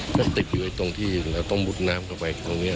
ก็ติดอยู่ตรงที่เราต้องมุดน้ำเข้าไปตรงนี้